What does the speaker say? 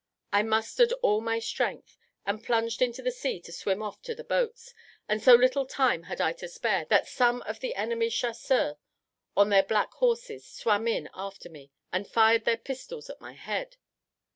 I mustered all my strength, and plunged into the sea to swim off to the boats, and so little time had I to spare, that some of the enemy's chasseurs, on their black horses, swam in after me, and fired their pistols at my head.